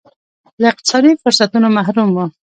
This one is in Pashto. له اقتصادي فرصتونو محروم وو.